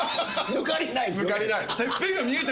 抜かりない。